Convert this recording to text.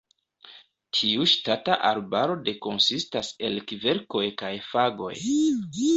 Tiu ŝtata arbaro de konsistas el kverkoj kaj fagoj.